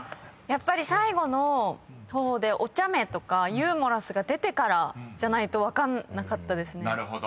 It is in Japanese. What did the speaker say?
やっぱり最後の方でお茶目とかユーモラスが出てからじゃないと分かんなかったですね。